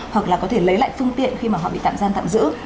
hoặc là có thể lấy lại phương tiện khi mà họ bị tạm giam tạm giữ